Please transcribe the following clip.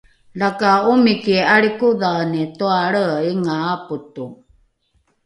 laka omiki alrikodhaeni toalreinga apoto